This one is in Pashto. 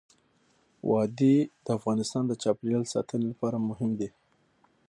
وادي د افغانستان د چاپیریال ساتنې لپاره مهم دي.